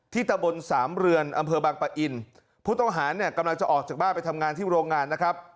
ตะบนสามเรือนอำเภอบางปะอินผู้ต้องหาเนี่ยกำลังจะออกจากบ้านไปทำงานที่โรงงานนะครับ